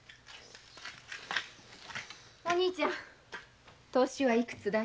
お兄ちゃん年は幾つだい？